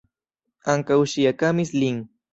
Ankaŭ ŝi ekamis lin.